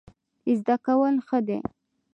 زده کول ښه دی.